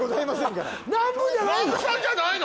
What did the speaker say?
南部じゃないの？